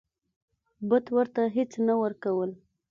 بت ورته هیڅ نه ورکول.